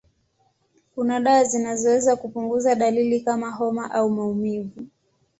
Kuna dawa zinazoweza kupunguza dalili kama homa au maumivu.